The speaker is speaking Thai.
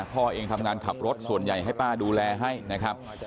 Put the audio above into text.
พ่อเองทำงานขับรถส่วนใหญ่ให้ป้าดูแลให้นะครับ